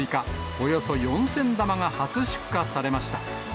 およそ４０００玉が初出荷されました。